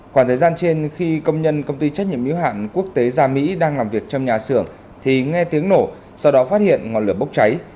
khoảng thời gian trên khi công nhân công ty trách nhiệm hiếu hạn quốc tế gia mỹ đang làm việc trong nhà xưởng thì nghe tiếng nổ sau đó phát hiện ngọn lửa bốc cháy